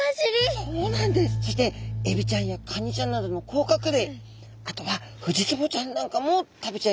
そしてエビちゃんやカニちゃんなどの甲殻類あとはフジツボちゃんなんかも食べちゃいます。